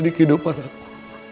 di kehidupan aku